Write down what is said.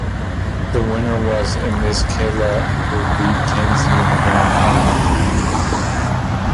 The winner was Emis Killa who beat Kenzie in the grand final.